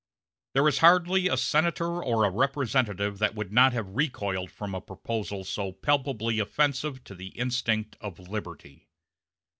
There is hardly a Senator or a Representative that would not have recoiled from a proposal so palpably offensive to the instinct of liberty.